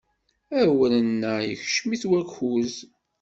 Awren-a ikcem-it wakuz.